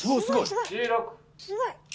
すごい。